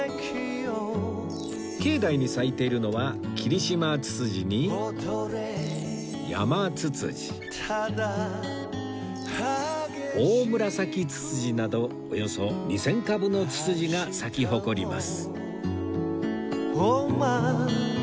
境内に咲いているのは霧島つつじにヤマツツジオオムラサキツツジなどおよそ２０００株のツツジが咲き誇ります